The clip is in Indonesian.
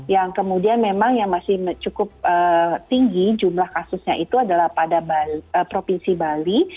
yang kemudian memang yang masih cukup tinggi jumlah kasusnya itu adalah pada provinsi bali